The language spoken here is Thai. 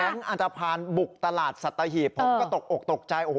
แก๊งอันทภารบุกตลาดสัตว์หีบผมก็ตกออกตกใจโอ้โห